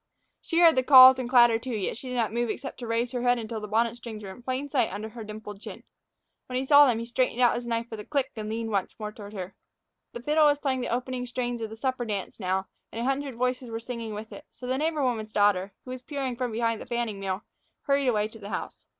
She heard the calls and clatter, too; yet she did not move except to raise her head until the bonnet strings were in plain sight under her dimpled chin. When he saw them, he straightened his knife out with a click and leaned once more toward her. The fiddle was playing the opening strains of the supper dance now, and a hundred voices were singing with it; so the neighbor woman's daughter, who had been peering from behind the fanning mill, hurried away to the house.